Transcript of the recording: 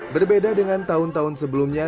berbeda dengan tahun tahun sebelumnya